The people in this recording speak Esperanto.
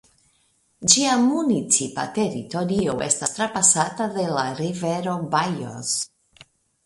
Ĝia municipa teritorio estas trapasata de la rivero Bajoz.